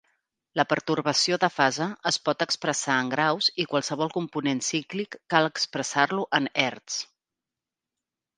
La pertorbació de fase es pot expressar en graus i qualsevol component cíclic cal expressar-lo en hertzs.